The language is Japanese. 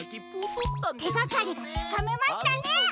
てがかりがつかめましたね！